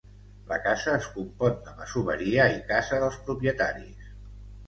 La casa es compon de masoveria i casa dels propietaris.